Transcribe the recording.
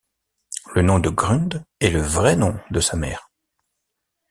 Le nom de Grund est le vrai nom de sa mère.